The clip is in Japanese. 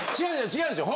違うんですよ。